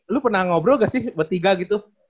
lu pernah ngobrol gak sih bertiga gitu